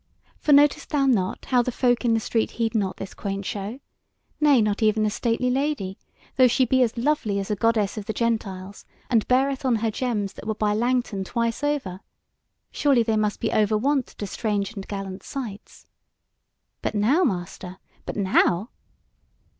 for notest thou not how the folk in the street heed not this quaint show; nay not even the stately lady, though she be as lovely as a goddess of the gentiles, and beareth on her gems that would buy Langton twice over; surely they must be over wont to strange and gallant sights. But now, master, but now!"